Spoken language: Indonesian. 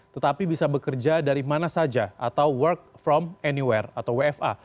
tetapi bisa bekerja dari mana saja atau work from anywhere atau wfa